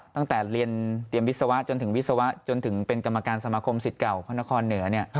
ตั้งแต่เรียนเตรียมวิศวะจนถึงวิศวะจนถึงเป็นกรรมการสมาคมสิทธิ์เก่าพระนครเหนือ